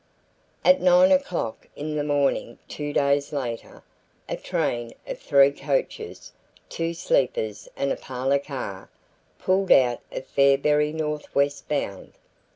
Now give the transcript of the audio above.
At 9 o'clock in the morning two days later, a train of three coaches, two sleepers and a parlor car, pulled out of Fairberry northwest bound.